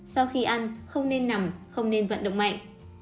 sau khi ăn không nên nằm không nên vận động mạnh